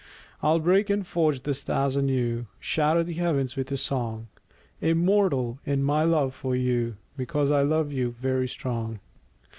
I'll break and forge the stars anew, Shatter the heavens with a song; Immortal in my love for you, Because I love you, very strong.